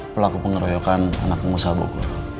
pelaku pengeroyokan anak musabuk